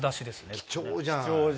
貴重じゃんこれ。